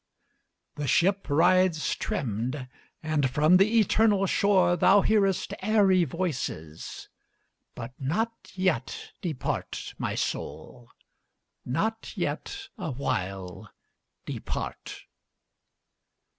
The ship rides trimmed, and from the eternal shore Thou hearest airy voices; but not yet Depart, my soul, not yet awhile depart.